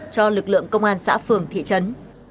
cho lực lượng công an xã phường thị trấn